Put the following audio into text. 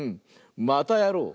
またやろう！